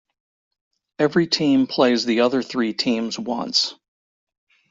Every team plays the other three teams once.